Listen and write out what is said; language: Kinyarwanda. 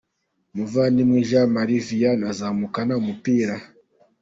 Muvandimwe Jean Marie Vianney azamukana umupira.